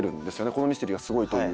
『このミステリーがすごい！』という。